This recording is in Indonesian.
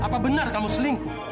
apa benar kamu selingkuh